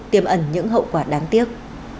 tiêm ẩn những hậu quả đáng tiếc